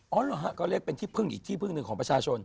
อ๋ออ๋อเหรอคะเขาเรียกเป็นอีกที่เพิ่งหนึ่งของประชาชน